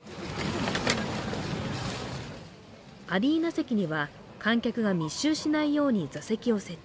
アリーナ席には観客が密集しないように座席を設置。